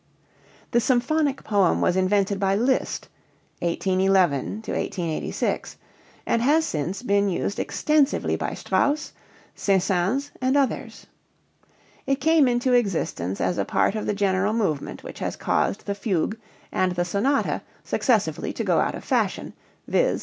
The symphonic poem was invented by Liszt (1811 1886) and has since been used extensively by Strauss, Saint Saëns and others. It came into existence as a part of the general movement which has caused the fugue and the sonata successively to go out of fashion, viz.